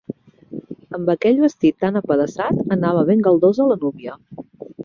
Amb aquell vestit tan apedaçat, anava ben galdosa, la núvia!